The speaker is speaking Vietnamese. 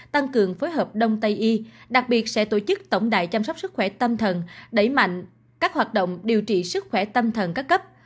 tăng cường phối hợp đông tây y đặc biệt sẽ tổ chức tổng đài chăm sóc sức khỏe tâm thần đẩy mạnh các hoạt động điều trị sức khỏe tâm thần các cấp